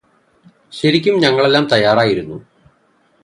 ശരി ഞങ്ങൾ എല്ലാം തയ്യാറായിരിക്കുന്നു